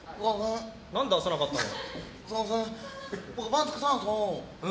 何で出さなかったの？